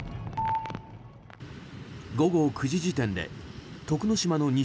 午後９時時点で徳之島の西